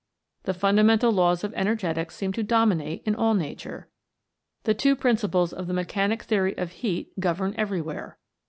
The fundamental laws of energetics seem to dominate in all Nature. The two principles of the mechanic theory of heat govern everywhere.